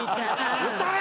歌え！